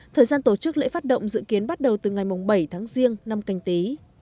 thời gian tổ chức lễ phát động dự kiến bắt đầu từ ngày bảy tháng riêng năm canh tí